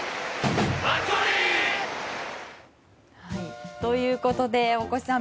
熱盛！ということで大越さん